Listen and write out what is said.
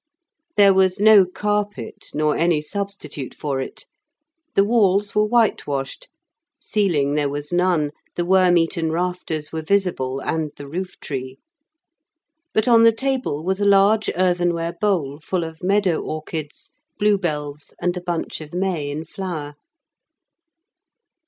There was no carpet, nor any substitute for it; the walls were whitewashed, ceiling there was none, the worm eaten rafters were visible, and the roof tree. But on the table was a large earthenware bowl, full of meadow orchids, blue bells, and a bunch of may in flower.